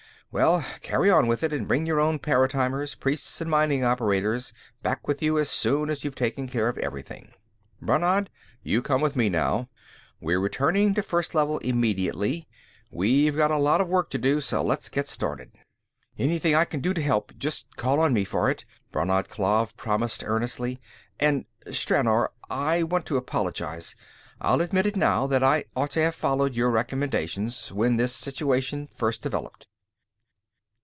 Well, carry on with it, and bring your own paratimers, priests and mining operators, back with you as soon as you've taken care of everything. Brannad, you come with me, now. We're returning to First Level immediately. We have a lot of work to do, so let's get started." "Anything I can do to help, just call on me for it," Brannad Klav promised earnestly. "And, Stranor, I want to apologize. I'll admit, now, that I ought to have followed your recommendations, when this situation first developed."